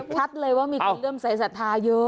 ชัดเลยว่ามีคนเริ่มใส่ศรัทธาเยอะ